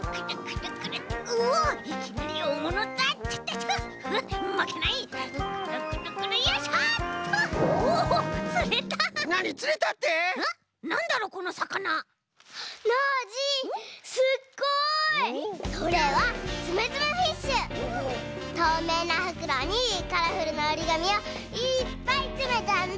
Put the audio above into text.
とうめいなふくろにカラフルなおりがみをいっぱいつめたんだ！